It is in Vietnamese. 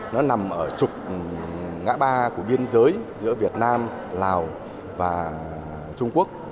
nó nằm ở trục ngã ba của biên giới giữa việt nam lào và trung quốc